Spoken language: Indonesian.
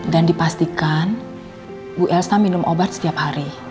dan dipastikan bu elsa minum obat setiap hari